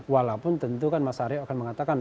walaupun tentu kan mas aryo akan mengatakan